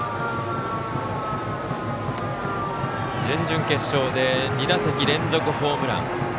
準々決勝で２打席連続ホームラン。